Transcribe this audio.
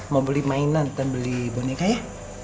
mau beli mainan dan beli boneka ya